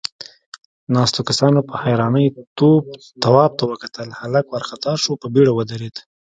ناستو کسانوپه حيرانۍ تواب ته وکتل، هلک وارخطا شو، په بيړه ودرېد.